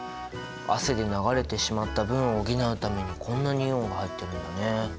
汗で流れてしまった分を補うためにこんなにイオンが入ってるんだね！